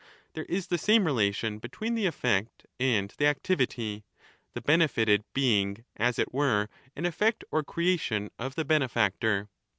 There is the same relation between the effect and the activity, the benefited being as it were an effect or creation of the benefactor.